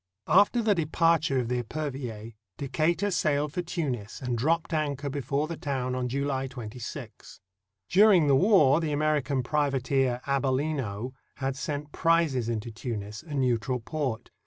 After the departure of the Epervier, Decatur sailed for Tunis and dropped anchor before the town on July 26. During the war the American privateer Abellino had sent prizes into Timis, a neutral port.